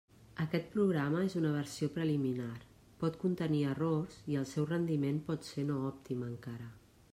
Aquest programa és una versió preliminar, pot contenir errors i el seu rendiment pot ser no òptim encara.